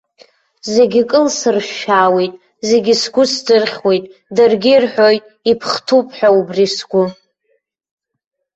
Зегьы кылсыршәшәаауеит, зегьы сгәы сдырхьуеит, даргьы ирҳәоит иԥхҭуп ҳәа убри сгәы.